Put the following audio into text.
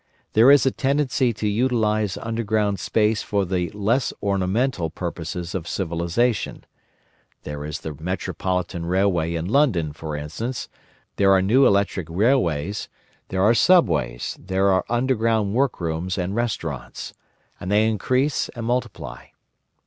There is a tendency to utilise underground space for the less ornamental purposes of civilisation; there is the Metropolitan Railway in London, for instance, there are new electric railways, there are subways, there are underground workrooms and restaurants, and they increase and multiply.